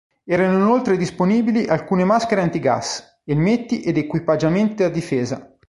Erano inoltre disponibili alcune maschere antigas, elmetti ed equipaggiamenti da difesa.